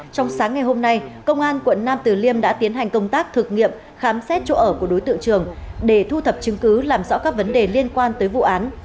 trong sáng ngày hôm nay công an quận nam tử liêm đã tiến hành công tác thực nghiệm khám xét chỗ ở của đối tượng trường để thu thập chứng cứ làm rõ các vấn đề liên quan tới vụ án